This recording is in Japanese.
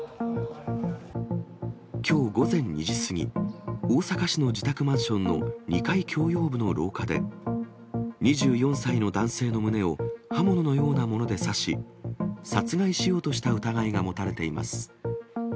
きょう午前２時過ぎ、大阪市の自宅マンションの２階共用部の廊下で、２４歳の男性の胸を刃物のようなもので刺し、殺害しようとした疑いが持たれています。